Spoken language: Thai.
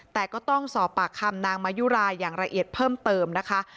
แต่ก็ต้องสอบปากคำนางมายุรายอย่างละเอียดเพิ่มเติมนะคะ